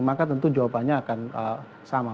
maka tentu jawabannya akan sama